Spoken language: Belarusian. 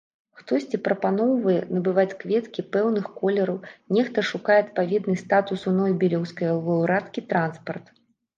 Хтосьці прапаноўвае набываць кветкі пэўных колераў, нехта шукае адпаведны статусу нобелеўскай лаўрэаткі транспарт.